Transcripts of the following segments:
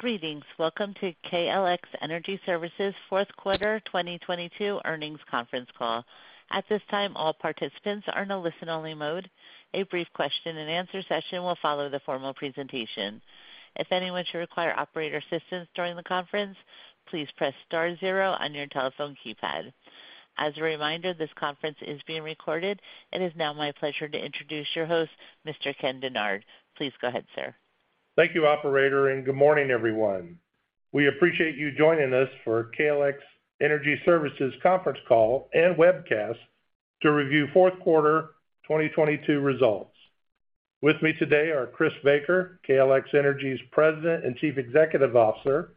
Greetings. Welcome to KLX Energy Services Q4 2022 Earnings Conference Call. At this time, all participants are in a listen-only mode. A brief question-and-answer session will follow the formal presentation. If anyone should require operator assistance during the conference, please press star zero on your telephone keypad. As a reminder, this conference is being recorded. It is now my pleasure to introduce your host, Mr. Ken Dennard. Please go ahead, sir. Thank you, operator. Good morning, everyone. We appreciate you joining us for KLX Energy Services Conference Call and Webcast to Review Q4 2022 Results. With me today are Chris Baker, KLX Energy's President and Chief Executive Officer,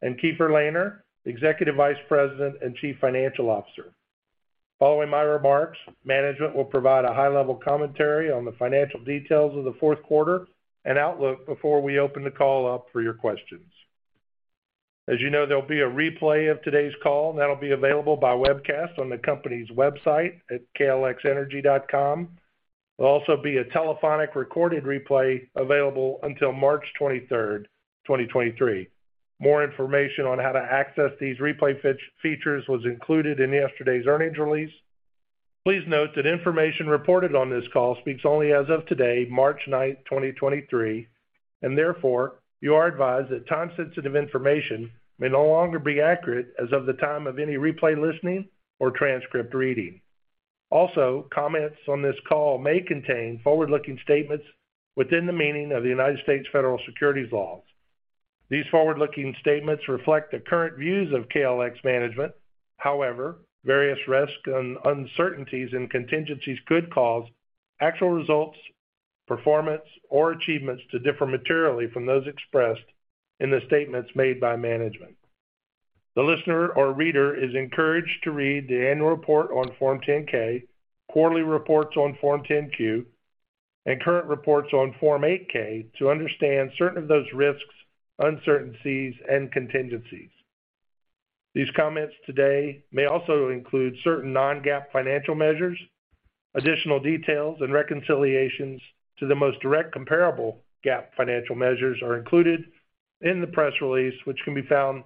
and Keefer Lehner, Executive Vice President and Chief Financial Officer. Following my remarks, management will provide a high-level commentary on the financial details of the Q4 and outlook before we open the call up for your questions. As you know, there'll be a replay of today's call that'll be available by webcast on the company's website at klxenergy.com. There'll also be a telephonic recorded replay available until March 23, 2023. More information on how to access these replay features was included in yesterday's earnings release. Please note that information reported on this call speaks only as of today, March 9th, 2023, and therefore, you are advised that time-sensitive information may no longer be accurate as of the time of any replay listening or transcript reading. Comments on this call may contain forward-looking statements within the meaning of the United States federal securities laws. These forward-looking statements reflect the current views of KLX management. Various risks and uncertainties and contingencies could cause actual results, performance, or achievements to differ materially from those expressed in the statements made by management. The listener or reader is encouraged to read the annual report on Form 10-K, quarterly reports on Form 10-Q, and current reports on Form 8-K to understand certain of those risks, uncertainties, and contingencies. These comments today may also include certain non-GAAP financial measures. Additional details and reconciliations to the most direct comparable GAAP financial measures are included in the press release, which can be found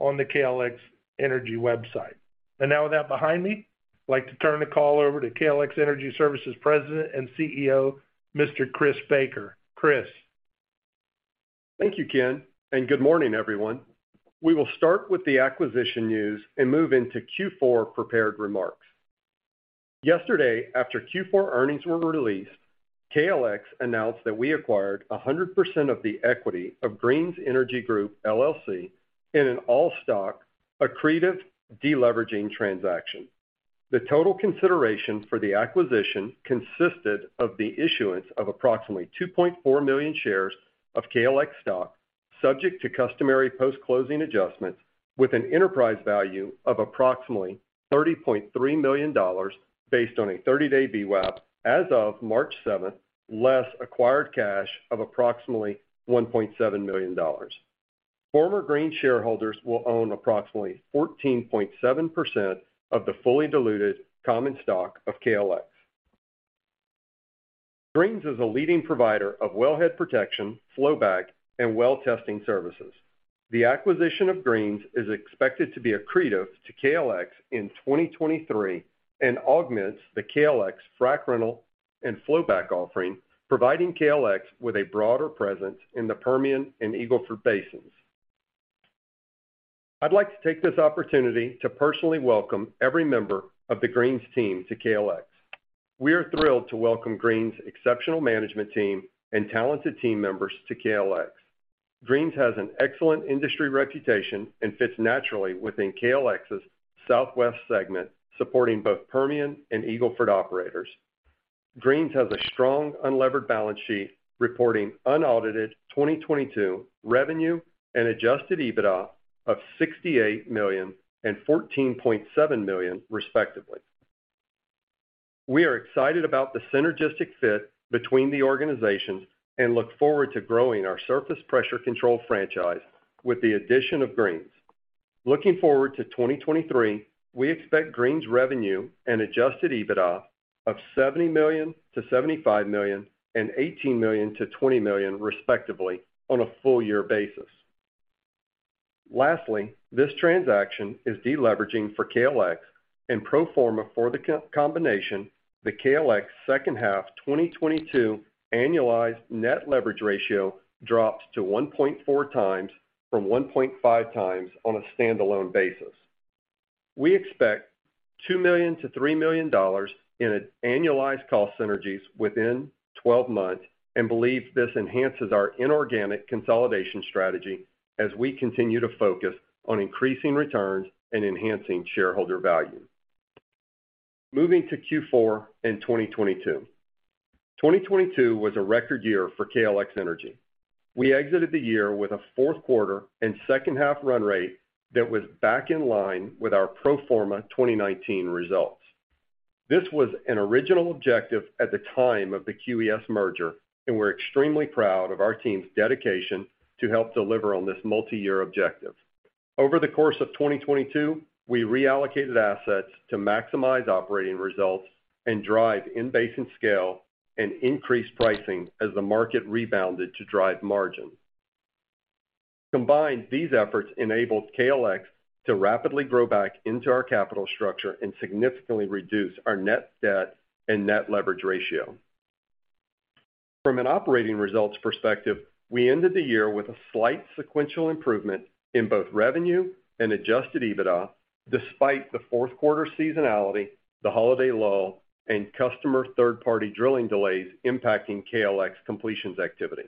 on the KLX Energy website. Now with that behind me, I'd like to turn the call over to KLX Energy Services President and CEO, Mr. Chris Baker. Chris. Thank you, Ken, and good morning, everyone. We will start with the acquisition news and move into Q4 prepared remarks. Yesterday, after Q4 earnings were released, KLX announced that we acquired 100% of the equity of Greene's Energy Group, LLC in an all-stock, accretive, deleveraging transaction. The total consideration for the acquisition consisted of the issuance of approximately 2.4 million shares of KLX stock, subject to customary post-closing adjustments, with an enterprise value of approximately $30.3 million, based on a 30-day VWAP as of March 7, less acquired cash of approximately $1.7 million. Former Greene's shareholders will own approximately 14.7% of the fully diluted common stock of KLX. Greene's is a leading provider of wellhead protection, flowback, and well testing services. The acquisition of Greene's is expected to be accretive to KLX in 2023 and augments the KLX frac rental and flowback offering, providing KLX with a broader presence in the Permian and Eagle Ford basins. I'd like to take this opportunity to personally welcome every member of the Greene's team to KLX. We are thrilled to welcome Greene's' exceptional management team and talented team members to KLX. Greene's has an excellent industry reputation and fits naturally within KLX's Southwest segment, supporting both Permian and Eagle Ford operators. Greene's has a strong unlevered balance sheet, reporting unaudited 2022 revenue and adjusted EBITDA of $68 million and $14.7 million, respectively. We are excited about the synergistic fit between the organizations and look forward to growing our surface pressure control franchise with the addition of Greene's. Looking forward to 2023, we expect Greene's revenue and adjusted EBITDA of $70-$75 million and $18-$20 million, respectively, on a full year basis. Lastly, this transaction is deleveraging for KLX and pro forma for the combination, the KLX second half 2022 annualized net leverage ratio drops to 1.4 times from 1.5 times on a standalone basis. We expect $2-$3 million in annualized cost synergies within 12 months and believe this enhances our inorganic consolidation strategy as we continue to focus on increasing returns and enhancing shareholder value. Moving to Q4 in 2022. 2022 was a record year for KLX Energy. We exited the year with a Q4 and second half run rate that was back in line with our pro forma 2019 results. This was an original objective at the time of the QES merger, we're extremely proud of our team's dedication to help deliver on this multi-year objective. Over the course of 2022, we reallocated assets to maximize operating results and drive in-basin scale and increase pricing as the market rebounded to drive margin. Combined, these efforts enabled KLX to rapidly grow back into our capital structure and significantly reduce our net debt and net leverage ratio. From an operating results perspective, we ended the year with a slight sequential improvement in both revenue and adjusted EBITDA despite the Q4 seasonality, the holiday lull, and customer third-party drilling delays impacting KLX completions activity.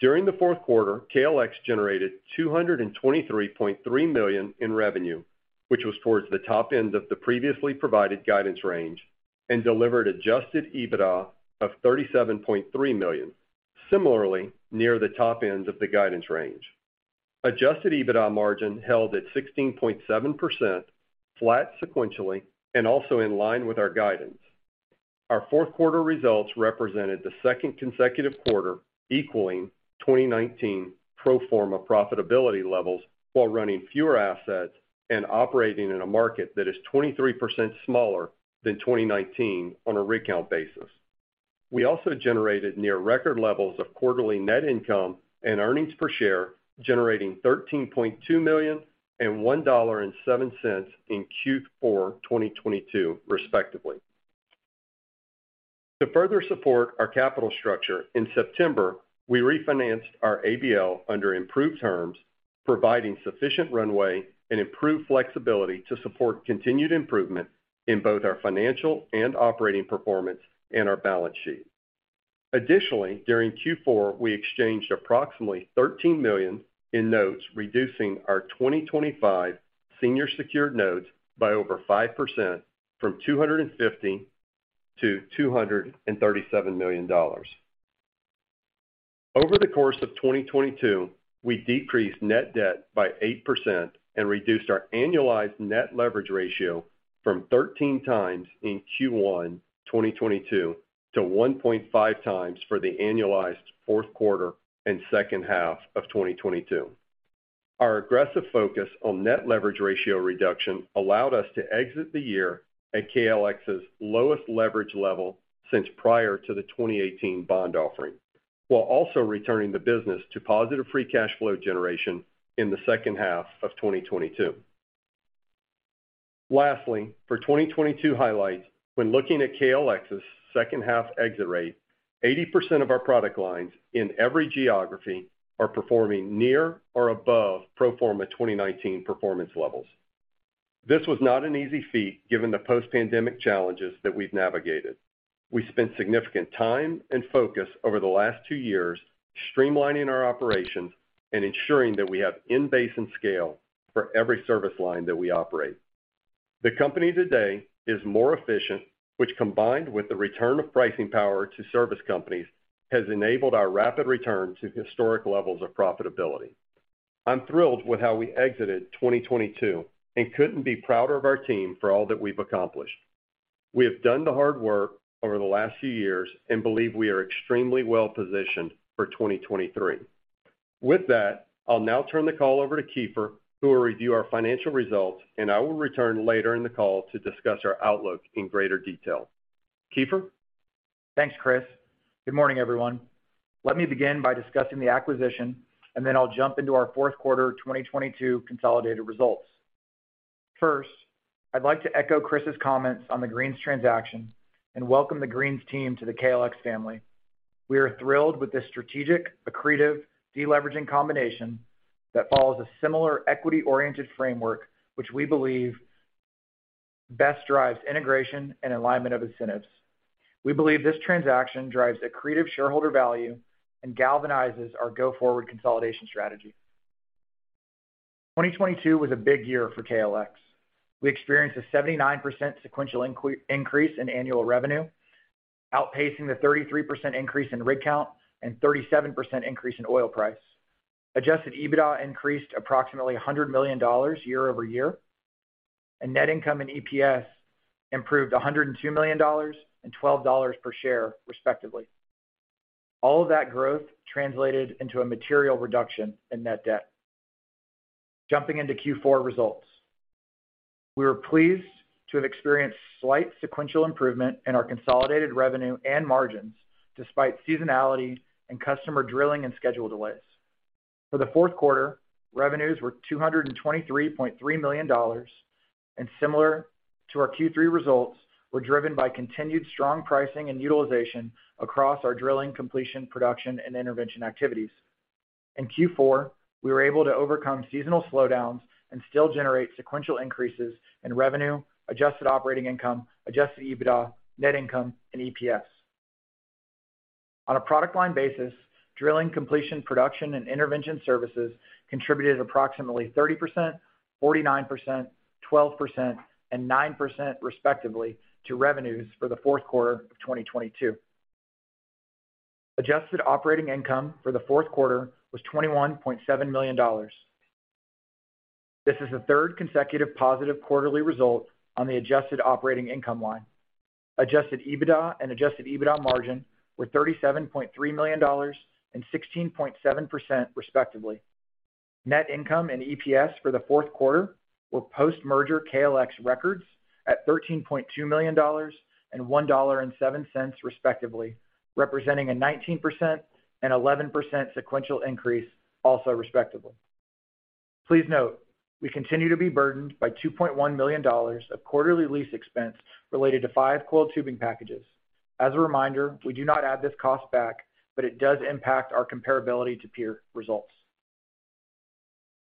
During the Q4, KLX generated $223.3 million in revenue, which was towards the top end of the previously provided guidance range and delivered adjusted EBITDA of $37.3 million, similarly near the top end of the guidance range. Adjusted EBITDA margin held at 16.7%, flat sequentially, and also in line with our guidance. Our Q4 results represented the second consecutive quarter equaling 2019 pro forma profitability levels while running fewer assets and operating in a market that is 23% smaller than 2019 on a rig count basis. We also generated near record levels of quarterly net income and earnings per share, generating $13.2 million and $1.07 in Q4 2022, respectively. To further support our capital structure, in September, we refinanced our ABL under improved terms, providing sufficient runway and improved flexibility to support continued improvement in both our financial and operating performance and our balance sheet. Additionally, during Q4, we exchanged approximately $13 million in notes, reducing our 2025 senior secured notes by over 5% from $250 to $237 million. Over the course of 2022, we decreased net debt by 8% and reduced our annualized net leverage ratio from 13 times in Q1 2022 to 1.5 times for the annualized Q4 and second half of 2022. Our aggressive focus on net leverage ratio reduction allowed us to exit the year at KLX's lowest leverage level since prior to the 2018 bond offering, while also returning the business to positive free cash flow generation in the second half of 2022. Lastly, for 2022 highlights, when looking at KLX's second half exit rate, 80% of our product lines in every geography are performing near or above pro forma 2019 performance levels. This was not an easy feat given the post-pandemic challenges that we've navigated. We spent significant time and focus over the last two years streamlining our operations and ensuring that we have in-basin scale for every service line that we operate. The company today is more efficient, which combined with the return of pricing power to service companies, has enabled our rapid return to historic levels of profitability. I'm thrilled with how we exited 2022 and couldn't be prouder of our team for all that we've accomplished. We have done the hard work over the last few years and believe we are extremely well-positioned for 2023. With that, I'll now turn the call over to Keefer, who will review our financial results, and I will return later in the call to discuss our outlook in greater detail. Keefer? Thanks, Chris. Good morning, everyone. Let me begin by discussing the acquisition, and then I'll jump into our Q4 2022 consolidated results. First, I'd like to echo Chris's comments on the Greene's transaction and welcome the Greene's team to the KLX family. We are thrilled with this strategic, accretive, deleveraging combination that follows a similar equity-oriented framework, which we believe best drives integration and alignment of incentives. We believe this transaction drives accretive shareholder value and galvanizes our go-forward consolidation strategy. 2022 was a big year for KLX. We experienced a 79% sequential increase in annual revenue, outpacing the 33% increase in rig count and 37% increase in oil price. Adjusted EBITDA increased approximately $100 million year-over-year, and net income and EPS improved $102 million and $12 per share, respectively. All of that growth translated into a material reduction in net debt. Jumping into Q4 results. We were pleased to have experienced slight sequential improvement in our consolidated revenue and margins despite seasonality and customer drilling and schedule delays. For the Q4, revenues were $223.3 million. Similar to our Q3 results, were driven by continued strong pricing and utilization across our drilling, completion, production, and intervention activities. In Q4, we were able to overcome seasonal slowdowns and still generate sequential increases in revenue, adjusted operating income, adjusted EBITDA, net income, and EPS. On a product line basis, drilling, completion, production, and intervention services contributed approximately 30%, 49%, 12%, and 9% respectively to revenues for the Q4 of 2022. Adjusted operating income for the Q4 was $21.7 million. This is the third consecutive positive quarterly result on the adjusted operating income line. Adjusted EBITDA and adjusted EBITDA margin were $37.3 million and 16.7% respectively. Net income and EPS for the Q4 were post-merger KLX records at $13.2 million and $1.07 respectively, representing a 19% and 11% sequential increase, also respectively. Please note, we continue to be burdened by $2.1 million of quarterly lease expense related to five coiled tubing packages. As a reminder, we do not add this cost back, but it does impact our comparability to peer results.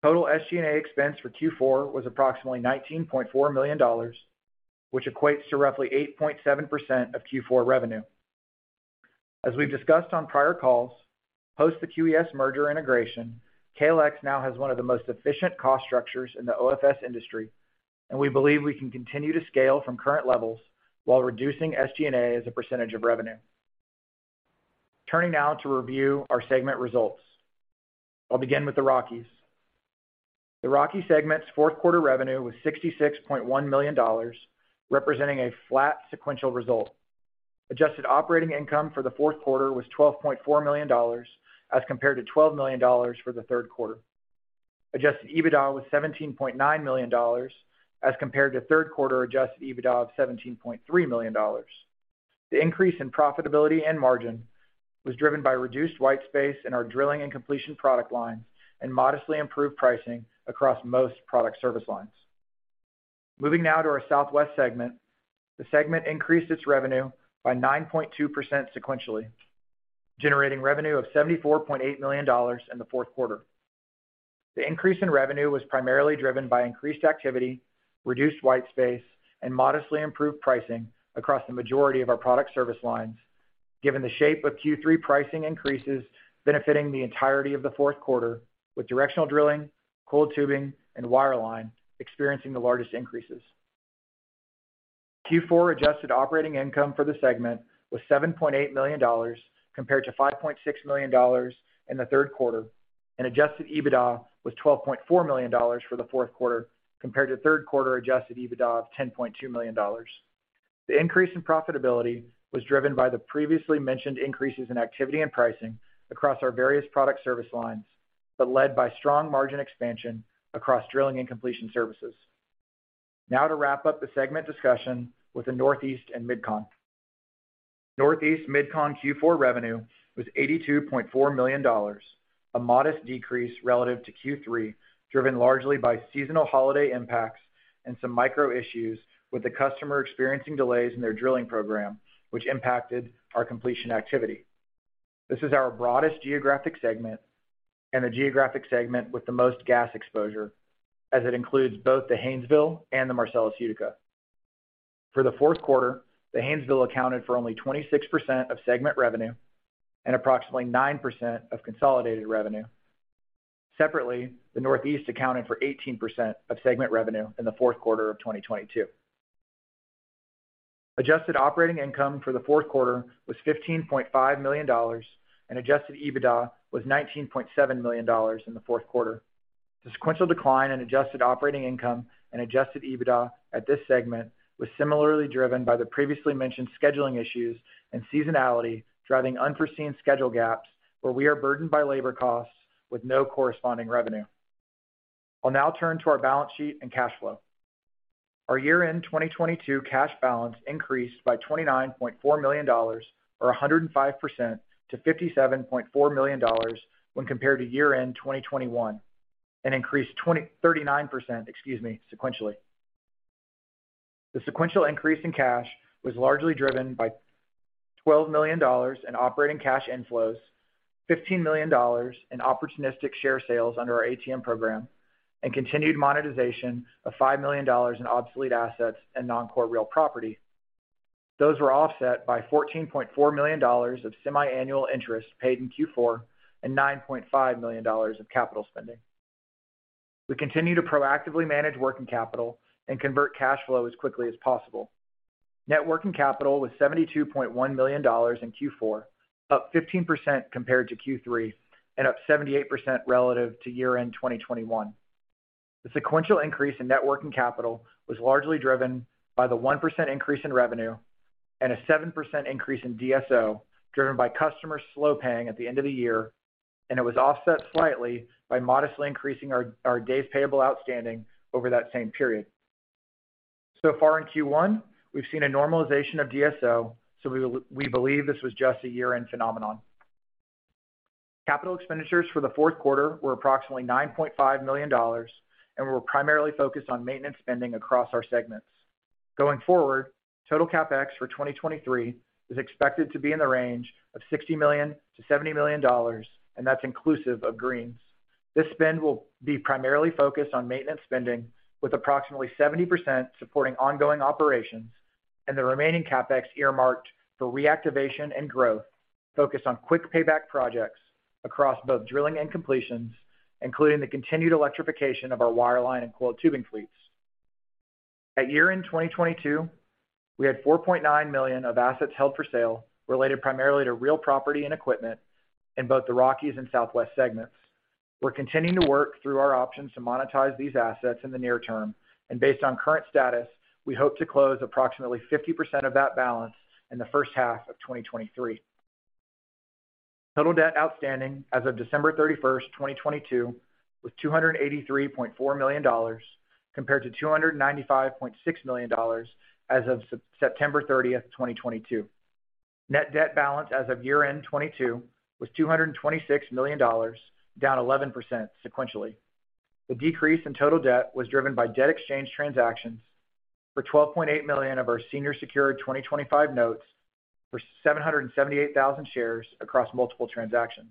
Total SG&A expense for Q4 was approximately $19.4 million, which equates to roughly 8.7% of Q4 revenue. As we've discussed on prior calls, post the QES merger integration, KLX now has one of the most efficient cost structures in the OFS industry, and we believe we can continue to scale from current levels while reducing SG&A as a % of revenue. Turning now to review our segment results. I'll begin with the Rockies. The Rockies segment's Q4 revenue was $66.1 million, representing a flat sequential result. Adjusted operating income for the Q4 was $12.4 million, as compared to $12 million for the Q3. Adjusted EBITDA was $17.9 million, as compared to Q3 adjusted EBITDA of $17.3 million. The increase in profitability and margin was driven by reduced white space in our drilling and completion product lines and modestly improved pricing across most Product Service Lines. Moving now to our Southwest segment. The segment increased its revenue by 9.2% sequentially, generating revenue of $74.8 million in the Q4. The increase in revenue was primarily driven by increased activity, reduced white space, and modestly improved pricing across the majority of our product service lines, given the shape of Q3 pricing increases benefiting the entirety of the Q4 with directional drilling, coiled tubing, and wireline experiencing the largest increases. Q4 adjusted operating income for the segment was $7.8 million compared to $5.6 million in the Q3, and adjusted EBITDA was $12.4 million for the Q4 compared to Q3 adjusted EBITDA of $10.2 million. The increase in profitability was driven by the previously mentioned increases in activity and pricing across our various Product Service Lines, but led by strong margin expansion across drilling and completion services. To wrap up the segment discussion with the Northeast and MidCon. Northeast MidCon Q4 revenue was $82.4 million, a modest decrease relative to Q3, driven largely by seasonal holiday impacts and some micro issues with the customer experiencing delays in their drilling program, which impacted our completion activity. This is our broadest geographic segment and the geographic segment with the most gas exposure, as it includes both the Haynesville and the Marcellus Utica. For the Q4, the Haynesville accounted for only 26% of segment revenue and approximately 9% of consolidated revenue. Separately, the Northeast accounted for 18% of segment revenue in the Q4 of 2022. Adjusted operating income for the Q4 was $15.5 million, and adjusted EBITDA was $19.7 million in the Q4. The sequential decline in adjusted operating income and adjusted EBITDA at this segment was similarly driven by the previously mentioned scheduling issues and seasonality, driving unforeseen schedule gaps where we are burdened by labor costs with no corresponding revenue. I'll now turn to our balance sheet and cash flow. Our year-end 2022 cash balance increased by $29.4 million or 105% to $57.4 million when compared to year-end 2021 and increased 39%, excuse me, sequentially. The sequential increase in cash was largely driven by $12 million in operating cash inflows, $15 million in opportunistic share sales under our ATM program, and continued monetization of $5 million in obsolete assets and non-core real property. Those were offset by $14.4 million of semi-annual interest paid in Q4 and $9.5 million of capital spending. We continue to proactively manage working capital and convert cash flow as quickly as possible. Net working capital was $72.1 million in Q4, up 15% compared to Q3 and up 78% relative to year-end 2021. The sequential increase in net working capital was largely driven by the 1% increase in revenue and a 7% increase in DSO, driven by customers slow paying at the end of the year. It was offset slightly by modestly increasing our days payable outstanding over that same period. Far in Q1, we've seen a normalization of DSO. We believe this was just a year-end phenomenon. Capital expenditures for the Q4 were approximately $9.5 million and were primarily focused on maintenance spending across our segments. Going forward, total CapEx for 2023 is expected to be in the range of $60-$70 million. That's inclusive of Greene's. This spend will be primarily focused on maintenance spending with approximately 70% supporting ongoing operations and the remaining CapEx earmarked for reactivation and growth focused on quick payback projects across both drilling and completions, including the continued electrification of our wireline and coiled tubing fleets. At year-end 2022, we had $4.9 million of assets held for sale related primarily to real property and equipment in both the Rockies and Southwest segments. We're continuing to work through our options to monetize these assets in the near term. Based on current status, we hope to close approximately 50% of that balance in the first half of 2023. Total debt outstanding as of December 31st, 2022 was $283.4 million compared to $295.6 million as of September 30th, 2022. Net debt balance as of year-end 2022 was $226 million, down 11% sequentially. The decrease in total debt was driven by debt exchange transactions for 12.8 million of our senior secured 2025 notes for 778,000 shares across multiple transactions.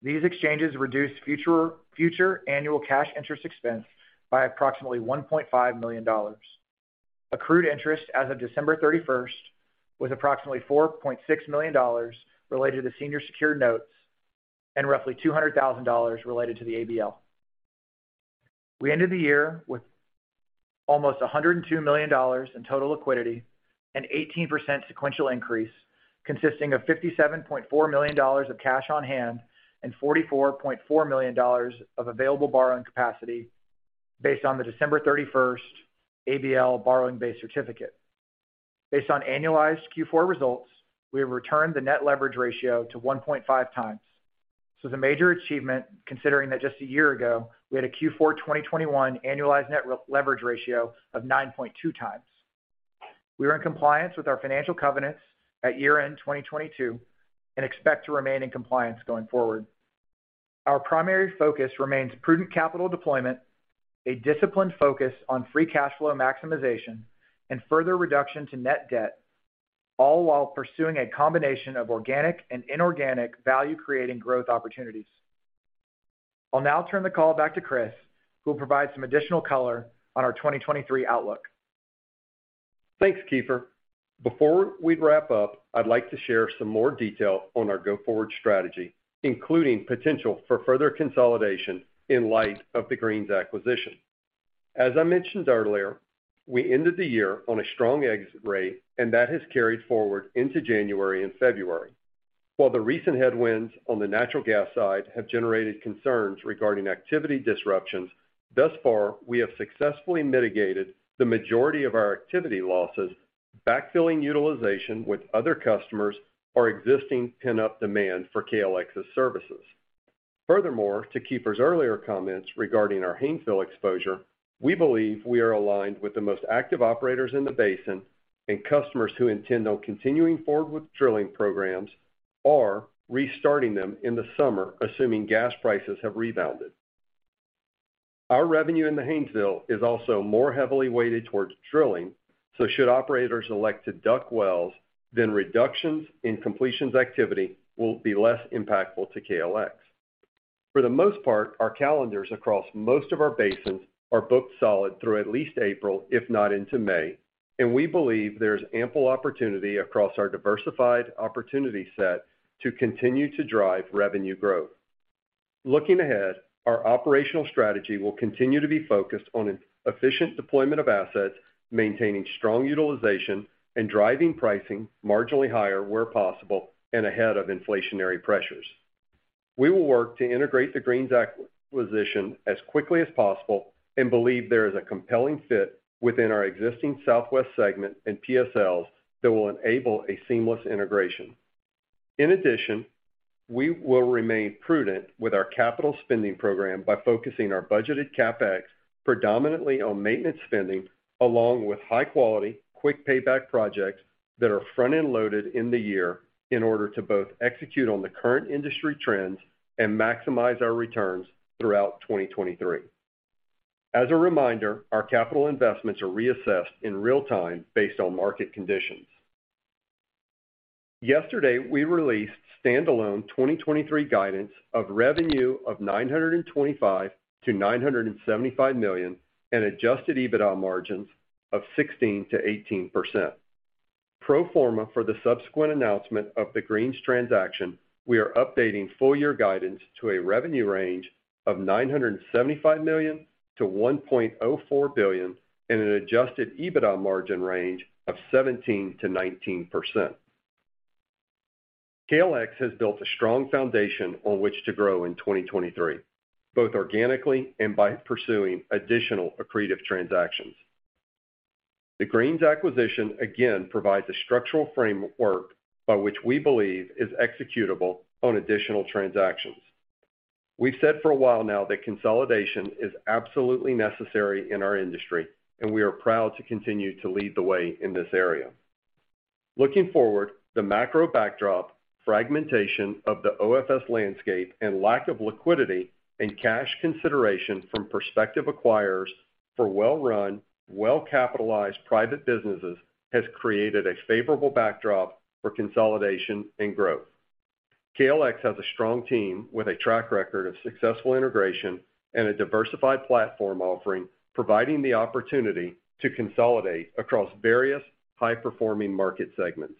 These exchanges reduced future annual cash interest expense by approximately $1.5 million. Accrued interest as of December 31st was approximately $4.6 million related to senior secured notes and roughly $200,000 related to the ABL. We ended the year with almost $102 million in total liquidity, an 18% sequential increase consisting of $57.4 million of cash on hand and $44.4 million of available borrowing capacity based on the December 31st ABL borrowing base certificate. Based on annualized Q4 results, we have returned the net leverage ratio to 1.5 times. This is a major achievement considering that just a year ago, we had a Q4 2021 annualized net leverage ratio of 9.2 times. We are in compliance with our financial covenants at year-end 2022 and expect to remain in compliance going forward. Our primary focus remains prudent capital deployment, a disciplined focus on free cash flow maximization, and further reduction to net debt, all while pursuing a combination of organic and inorganic value-creating growth opportunities. I'll now turn the call back to Chris, who will provide some additional color on our 2023 outlook. Thanks, Keefer. Before we wrap up, I'd like to share some more detail on our go-forward strategy, including potential for further consolidation in light of the Greene's acquisition. As I mentioned earlier, we ended the year on a strong exit rate. That has carried forward into January and February. While the recent headwinds on the natural gas side have generated concerns regarding activity disruptions, thus far, we have successfully mitigated the majority of our activity losses, backfilling utilization with other customers or existing pent-up demand for KLX's services. Furthermore, to Keefer's earlier comments regarding our Haynesville exposure, we believe we are aligned with the most active operators in the basin and customers who intend on continuing forward with drilling programs are restarting them in the summer, assuming gas prices have rebounded. Our revenue in the Haynesville is also more heavily weighted towards drilling. Should operators elect to DUC wells, reductions in completions activity will be less impactful to KLX. For the most part, our calendars across most of our basins are booked solid through at least April, if not into May. We believe there's ample opportunity across our diversified opportunity set to continue to drive revenue growth. Looking ahead, our operational strategy will continue to be focused on an efficient deployment of assets, maintaining strong utilization, and driving pricing marginally higher where possible and ahead of inflationary pressures. We will work to integrate the Greene's acquisition as quickly as possible and believe there is a compelling fit within our existing Southwest segment and PSLs that will enable a seamless integration. We will remain prudent with our capital spending program by focusing our budgeted CapEx predominantly on maintenance spending along with high quality, quick payback projects that are front-end loaded in the year in order to both execute on the current industry trends and maximize our returns throughout 2023. As a reminder, our capital investments are reassessed in real time based on market conditions. Yesterday, we released standalone 2023 guidance of revenue of $925-$975 million and adjusted EBITDA margins of 16%-18%. Pro forma for the subsequent announcement of the Greene's transaction, we are updating full year guidance to a revenue range of $975-$1.04 billion and an adjusted EBITDA margin range of 17%-19%. KLX has built a strong foundation on which to grow in 2023, both organically and by pursuing additional accretive transactions. The Greene's acquisition again provides a structural framework by which we believe is executable on additional transactions. We've said for a while now that consolidation is absolutely necessary in our industry. We are proud to continue to lead the way in this area. Looking forward, the macro backdrop, fragmentation of the OFS landscape, and lack of liquidity and cash consideration from prospective acquirers for well-run, well-capitalized private businesses has created a favorable backdrop for consolidation and growth. KLX has a strong team with a track record of successful integration and a diversified platform offering, providing the opportunity to consolidate across various high-performing market segments,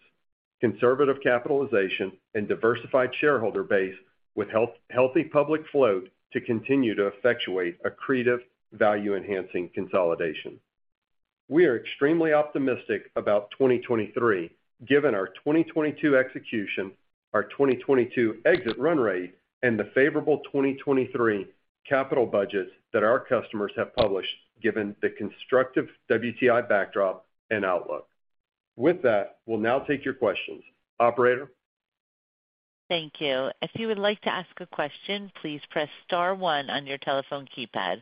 conservative capitalization and diversified shareholder base with healthy public float to continue to effectuate accretive value-enhancing consolidation. We are extremely optimistic about 2023, given our 2022 execution, our 2022 exit run rate, and the favorable 2023 capital budgets that our customers have published given the constructive WTI backdrop and outlook. With that, we'll now take your questions. Operator? Thank you. If you would like to ask a question, please press star one on your telephone keypad.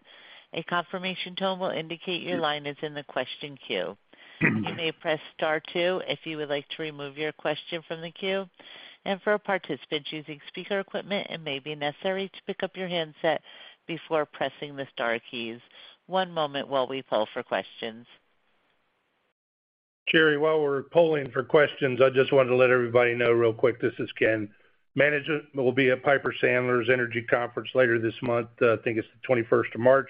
A confirmation tone will indicate your line is in the question queue. You may press star two if you would like to remove your question from the queue. For participants using speaker equipment, it may be necessary to pick up your handset before pressing the star keys. One moment while we poll for questions. Cherry, while we're polling for questions, I just wanted to let everybody know real quick, this is Ken. Management will be at Piper Sandler's Energy Conference later this month. I think it's the 21st of March.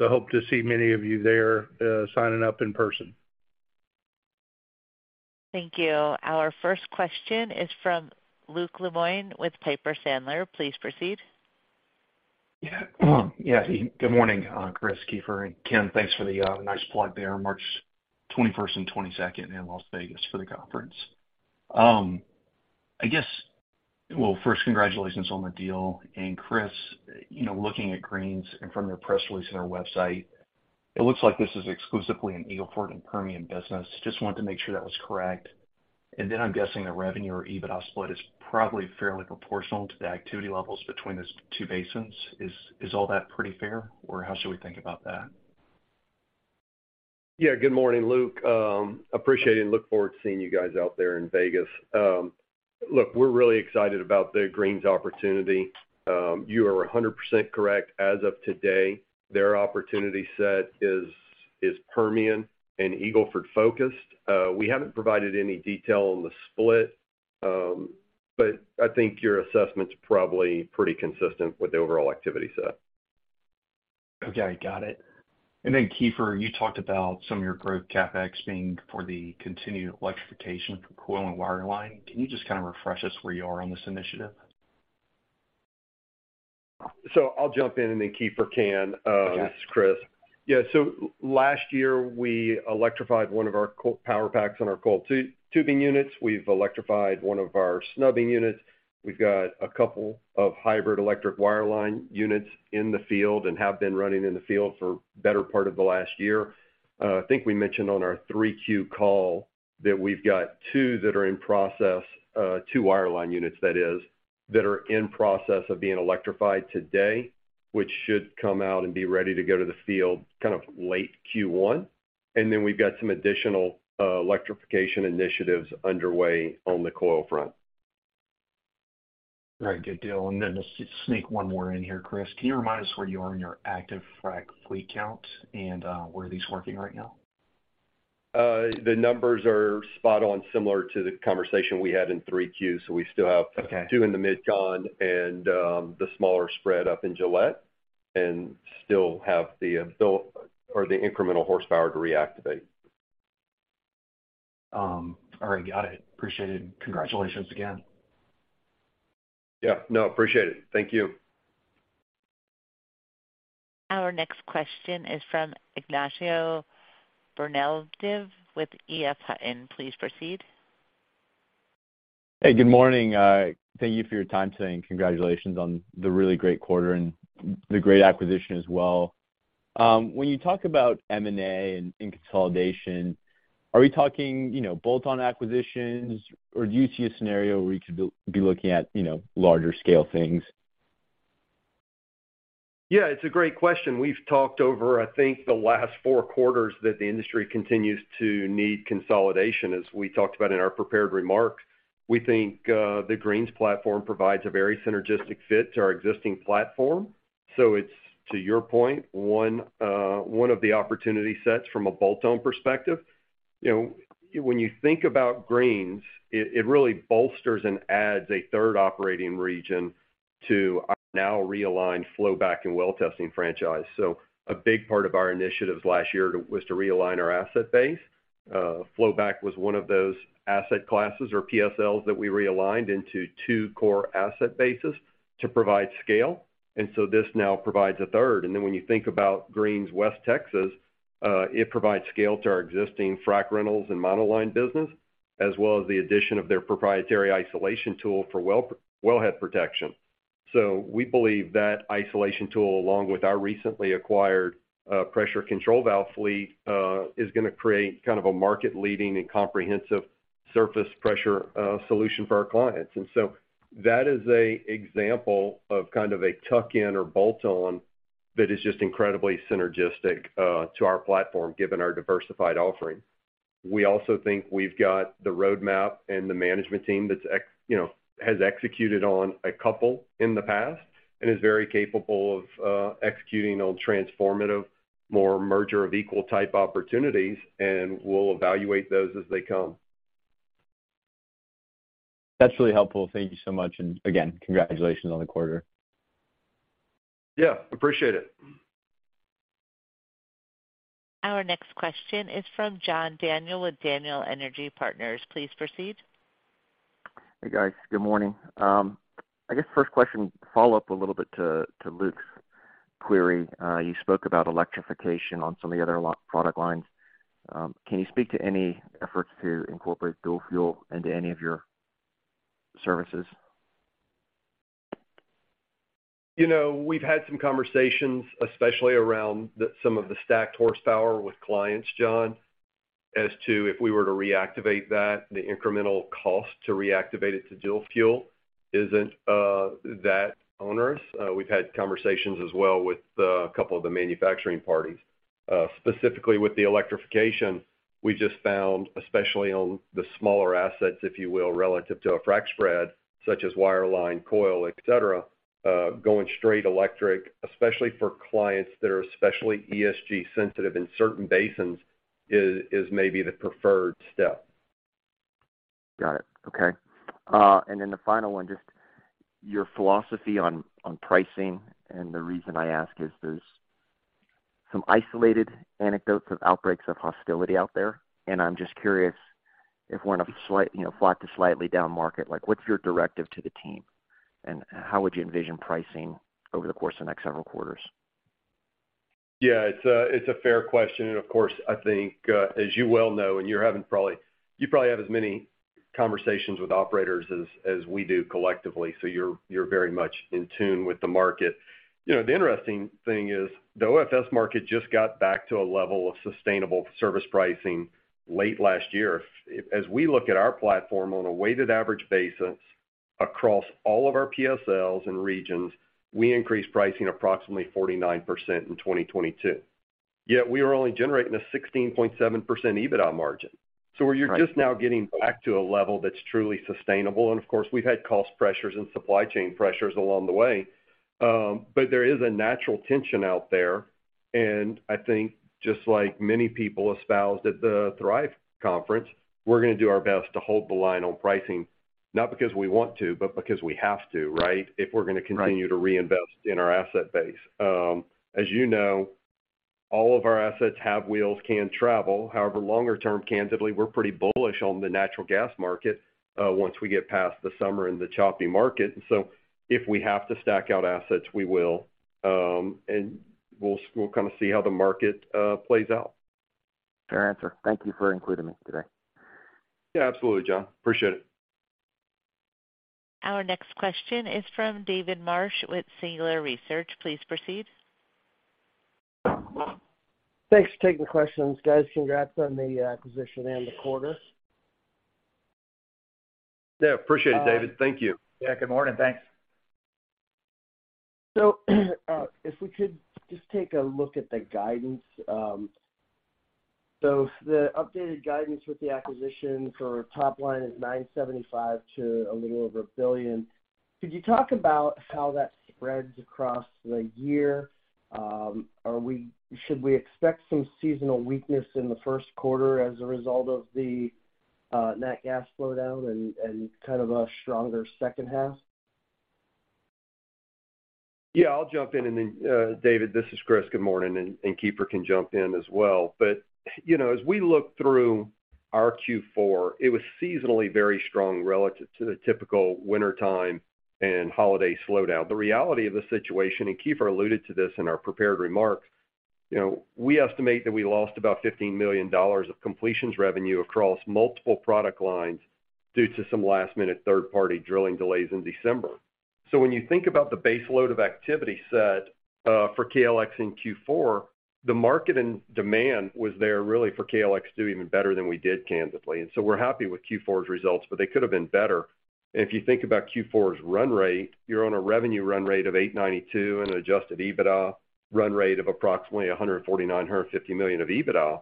Hope to see many of you there, signing up in person. Thank you. Our first question is from Luke Lemoine with Piper Sandler. Please proceed. Yeah. Yeah. Good morning, Chris, Keefer, and Ken, thanks for the nice plug there, March 21st and 22nd in Las Vegas for the conference. First, congratulations on the deal. Chris, you know, looking at Greene's and from your press release on our website, it looks like this is exclusively an Eagle Ford and Permian business. Just wanted to make sure that was correct. I'm guessing the revenue or EBITDA split is probably fairly proportional to the activity levels between those two basins. Is all that pretty fair, or how should we think about that? Good morning, Luke. Appreciate it and look forward to seeing you guys out there in Vegas. Look, we're really excited about the Greene's opportunity. You are 100% correct. As of today, their opportunity set is Permian and Eagle Ford-focused. We haven't provided any detail on the split, but I think your assessment's probably pretty consistent with the overall activity set. Okay, got it. Keefer, you talked about some of your growth CapEx being for the continued electrification for coil and wireline. Can you just kind of refresh us where you are on this initiative? I'll jump in and then Keefer can. Okay. This is Chris. Yeah. Last year, we electrified one of our power packs on our coiled tubing units. We've electrified one of our snubbing units. We've got a couple of hybrid electric wireline units in the field and have been running in the field for better part of the last year. I think we mentioned on our 3Q call that we've got two that are in process, two wireline units, that is, that are in process of being electrified today, which should come out and be ready to go to the field kind of late Q1. We've got some additional electrification initiatives underway on the coil front. All right, good deal. Just sneak one more in here, Chris. Can you remind us where you are in your active frac fleet count and where are these working right now? The numbers are spot on similar to the conversation we had in 3Q. Okay Two in the MidCon and, the smaller spread up in Gillette and still have the incremental horsepower to reactivate. All right, got it. Appreciate it. Congratulations again. Yeah. No, appreciate it. Thank you. Our next question is from Ignacio Bernaldez with EF Hutton. Please proceed. Hey, good morning. Thank you for your time today, and congratulations on the really great quarter and the great acquisition as well. When you talk about M&A and consolidation, are we talking, you know, bolt-on acquisitions, or do you see a scenario where you could be looking at, you know, larger scale things? Yeah, it's a great question. We've talked over, I think, the last four quarters that the industry continues to need consolidation, as we talked about in our prepared remarks. We think the Greene's platform provides a very synergistic fit to our existing platform. It's, to your point, one of the opportunity sets from a bolt-on perspective. You know, when you think about Greene's, it really bolsters and adds a third operating region to our now realigned flowback and well testing franchise. A big part of our initiatives last year was to realign our asset base. Flowback was one of those asset classes or PSLs that we realigned into two core asset bases to provide scale. This now provides a third. When you think about Greene's West Texas, it provides scale to our existing frac rentals and monoline business, as well as the addition of their proprietary isolation tool for wellhead protection. We believe that isolation tool, along with our recently acquired pressure control valve fleet, is gonna create kind of a market leading and comprehensive surface pressure solution for our clients. That is a example of kind of a tuck-in or bolt-on that is just incredibly synergistic to our platform, given our diversified offering. We also think we've got the roadmap and the management team that's you know, has executed on a couple in the past and is very capable of executing on transformative, more merger of equal type opportunities, and we'll evaluate those as they come. That's really helpful. Thank you so much. Again, congratulations on the quarter. Yeah, appreciate it. Our next question is from John Daniel with Daniel Energy Partners. Please proceed. Hey guys, good morning. I guess first question, follow up a little bit to Luke's query. You spoke about electrification on some of the other product lines. Can you speak to any efforts to incorporate dual fuel into any of your services? You know, we've had some conversations, especially around some of the stacked horsepower with clients, John, as to if we were to reactivate that, the incremental cost to reactivate it to dual fuel isn't that onerous. We've had conversations as well with a couple of the manufacturing parties. Specifically with the electrification, we just found, especially on the smaller assets, if you will, relative to a frac spread, such as wireline coil, et cetera, going straight electric, especially for clients that are especially ESG sensitive in certain basins is maybe the preferred step. Got it. Okay. The final one, just your philosophy on pricing. The reason I ask is there's some isolated anecdotes of outbreaks of hostility out there, and I'm just curious if we're in a slight, you know, flat to slightly down market, like, what's your directive to the team, and how would you envision pricing over the course of the next several quarters? Yeah. It's a, it's a fair question. Of course, I think, as you well know, and you're having you probably have as many conversations with operators as we do collectively, so you're very much in tune with the market. You know, the interesting thing is the OFS market just got back to a level of sustainable service pricing late last year. As we look at our platform on a weighted average basis across all of our PSLs and regions, we increased pricing approximately 49% in 2022. Yet we were only generating a 16.7% EBITDA margin. We're just now getting back to a level that's truly sustainable. Of course, we've had cost pressures and supply chain pressures along the way. There is a natural tension out there, and I think just like many people espoused at the Thrive conference, we're gonna do our best to hold the line on pricing, not because we want to, but because we have to, right? Right. To reinvest in our asset base. As you know, all of our assets have wheels, can travel. However, longer term, candidly, we're pretty bullish on the natural gas market, once we get past the summer and the choppy market. If we have to stack out assets, we will. We'll kind of see how the market plays out. Fair answer. Thank you for including me today. Yeah, absolutely, John. Appreciate it. Our next question is from David Marsh with Singular Research. Please proceed. Thanks for taking the questions, guys. Congrats on the acquisition and the quarter. Yeah. Appreciate it, David. Thank you. Yeah, good morning. Thanks. If we could just take a look at the guidance. The updated guidance with the acquisition for top line is $975 million to a little over $1 billion. Could you talk about how that spreads across the year? Should we expect some seasonal weakness in the Q1 as a result of the nat gas slowdown and kind of a stronger second half? I'll jump in and then David, this is Chris, good morning, and Keefer can jump in as well. You know, as we look through our Q4, it was seasonally very strong relative to the typical wintertime and holiday slowdown. The reality of the situation, and Keefer alluded to this in our prepared remarks, you know, we estimate that we lost about $15 million of completions revenue across multiple product lines due to some last-minute third-party drilling delays in December. When you think about the base load of activity set for KLX in Q4, the market and demand was there really for KLX to do even better than we did, candidly. We're happy with Q4's results, but they could have been better. If you think about Q4's run rate, you're on a revenue run rate of $892 million and an adjusted EBITDA run rate of approximately $149-$150 million of EBITDA.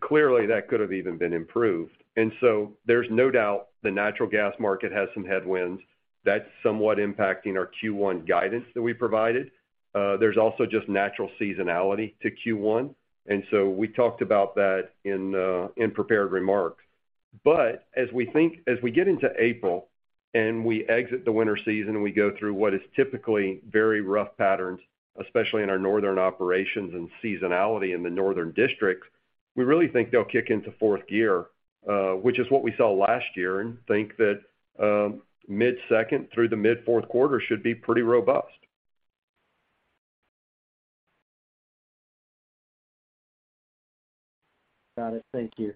Clearly that could have even been improved. There's no doubt the natural gas market has some headwinds. That's somewhat impacting our Q1 guidance that we provided. There's also just natural seasonality to Q1, we talked about that in prepared remarks. As we get into April and we exit the winter season, and we go through what is typically very rough patterns, especially in our northern operations and seasonality in the northern districts, we really think they'll kick into fourth gear, which is what we saw last year, and think that mid-second through the mid-Q4 should be pretty robust. Got it. Thank you.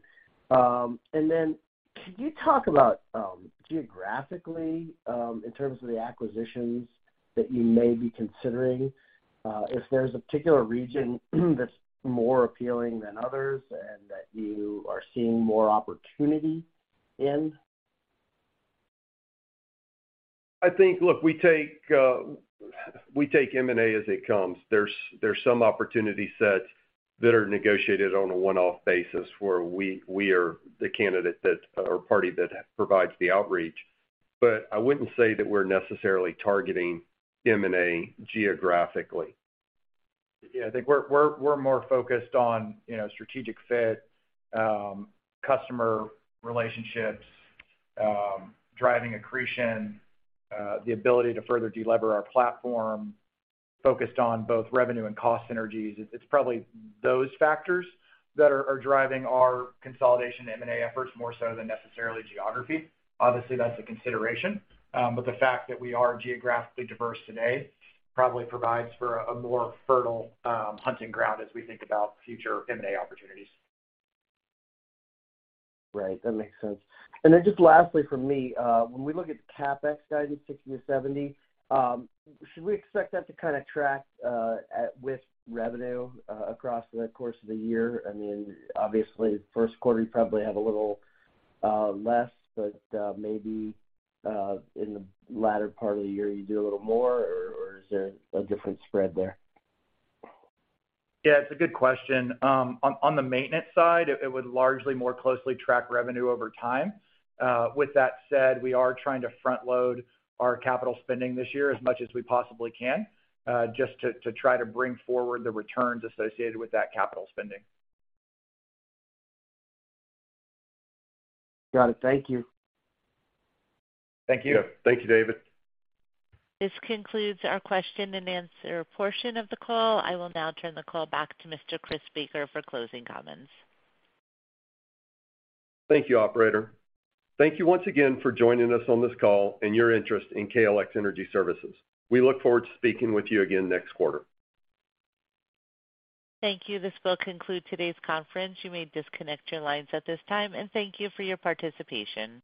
Could you talk about, geographically, in terms of the acquisitions that you may be considering, if there's a particular region that's more appealing than others and that you are seeing more opportunity in? We take M&A as it comes. There's some opportunity sets that are negotiated on a one-off basis where we are the candidate that, or party that provides the outreach. I wouldn't say that we're necessarily targeting M&A geographically. Yeah. I think we're more focused on, you know, strategic fit, customer relationships, driving accretion, the ability to further de-lever our platform, focused on both revenue and cost synergies. It's probably those factors that are driving our consolidation M&A efforts more so than necessarily geography. Obviously, that's a consideration, but the fact that we are geographically diverse today probably provides for a more fertile hunting ground as we think about future M&A opportunities. Right. That makes sense. Then just lastly from me, when we look at CapEx guidance 60 to 70, should we expect that to kind of track with revenue across the course of the year? I mean, obviously Q1 you probably have a little less, but maybe in the latter part of the year you do a little more, or is there a different spread there? Yeah, it's a good question. On the maintenance side, it would largely more closely track revenue over time. With that said, we are trying to front-load our capital spending this year as much as we possibly can, just to try to bring forward the returns associated with that capital spending. Got it. Thank you. Thank you. Yeah. Thank you, David. This concludes our question and answer portion of the call. I will now turn the call back to Mr. Chris Baker for closing comments. Thank you, operator. Thank you once again for joining us on this call and your interest in KLX Energy Services. We look forward to speaking with you again next quarter. Thank you. This will conclude today's conference. You may disconnect your lines at this time, and thank you for your participation.